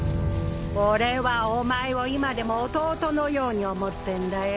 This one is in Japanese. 俺はお前を今でも弟のように思ってんだよ！